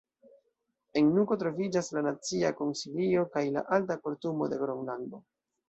En Nuko troviĝas la Nacia Konsilio kaj la Alta Kortumo de Gronlando.